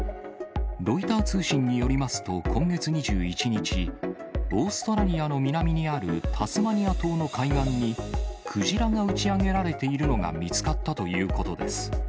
ロイター通信によりますと、今月２１日、オーストラリアの南にあるタスマニア島の海岸に、クジラが打ち上げられているのが見つかったということです。